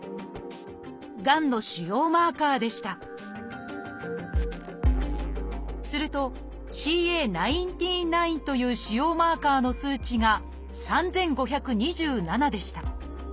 がんの腫瘍マーカーでしたすると「ＣＡ１９−９」という腫瘍マーカーの数値が３，５２７でした。